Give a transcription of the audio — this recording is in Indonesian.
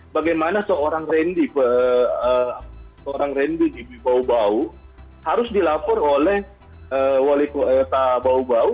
bagaimana seorang rendi seorang rendi dibawu bawu harus dilapor oleh wali kota bawu bawu